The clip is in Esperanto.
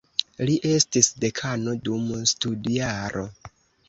Li estis dekano dum studjaro.